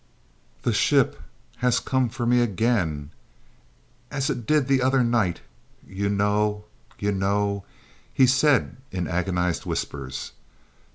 "The ship has come for me again as it did t'other night you know you know?" he said in agonised whispers.